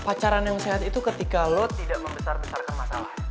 pacaran yang sehat itu ketika lo tidak membesar besarkan masalah